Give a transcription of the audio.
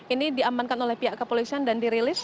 ini diamankan oleh pihak kepolisian dan dirilis